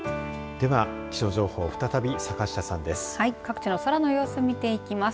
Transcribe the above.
では、気象情報再び坂下さんです。